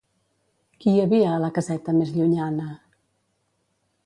Qui hi havia a la caseta més llunyana?